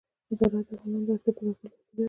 زراعت د افغانانو د اړتیاوو د پوره کولو وسیله ده.